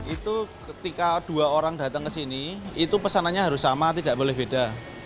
itu ketika dua orang datang ke sini itu pesanannya harus sama tidak boleh beda